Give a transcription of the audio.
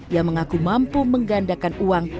yang mengaku mampu menggandakan uang